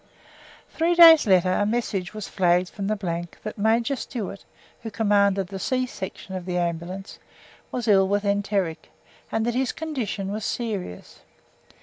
Three days later a message was flagged from the that Major Stewart (who commanded the C Section of the Ambulance) was ill with enteric, and that his condition was serious.